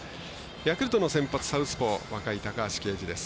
ヤクルトの先発、サウスポー若い高橋奎二です。